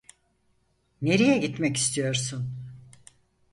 Nereye gitmek istiyorsun ?